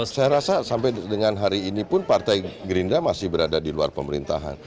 saya rasa sampai dengan hari ini pun partai gerindra masih berada di luar pemerintahan